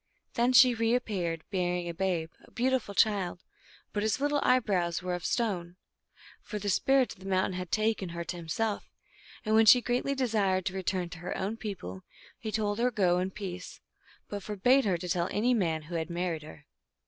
Then she reappeared, bearing a babe, a beautiful child, but his little eyebrows were of stone. For the Spirit of the Mountain had taken her to himself ; and when she greatly desired to return to her own people, he told her to go in peace, but for bade her to tell any man who had married her.